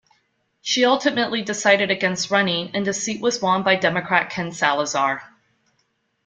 She ultimately decided against running, and the seat was won by Democrat Ken Salazar.